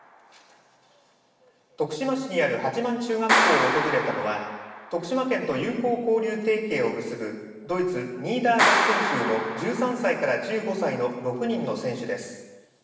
徳島市にある八万中学校を訪れたのは徳島県と友好交流提携を結ぶドイツ、ニーダーザクセン州の１３歳から１５歳の６人の選手です。